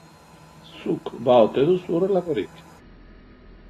Zuk ba ote duzu horrelakorik?